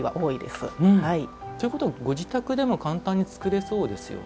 ということはご自宅でも簡単に作れそうですよね。